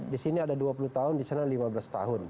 di sini ada dua puluh tahun di sana lima belas tahun